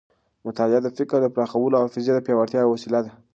مطالعه د فکر د پراخولو او حافظې د پیاوړتیا یوه وسیله ده.